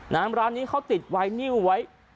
ร้านนี้เขาติดไวนิวไว้